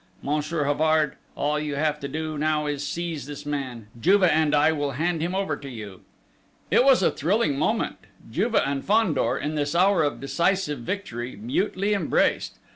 Monsieur Havard, all you have to do now is seize this man: Juve and I will hand him over to you!" It was a thrilling moment! Juve and Fandor, in this hour of decisive victory, mutely embraced.